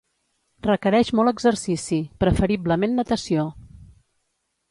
Requereix molt exercici, preferiblement natació.